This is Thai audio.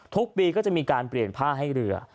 ทุกปีก็จะมีการเปลี่ยนผ้าให้เรือ